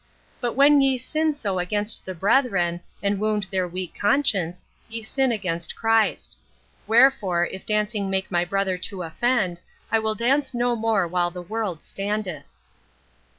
But when ye sin so against the brethren, and wound their weak conscience, ye sin against Christ. Wherefore, if dancing make my brother to offend, I will dance no more while the world standeth.'